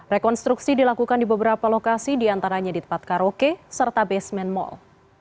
rekonstruksi dilakukan di beberapa lokasi diantaranya di tempat karaoke serta basement mall